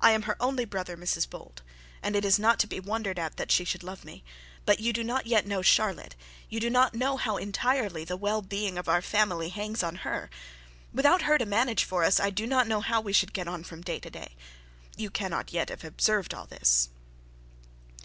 'I am her only brother, Mrs Bold, and it is not to be wondered at that she should love me. But you do not yet know Charlotte you do not know how entirely the well being of our family hangs on her. Without her to manage for us, I do not know how we should get on from day to day. You cannot yet have observed all this.'